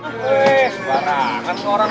wih barangan orang